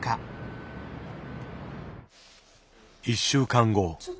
１週間後。